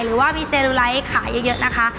หรือว่ามีเซลูไลท์ขายเยอะนะคะ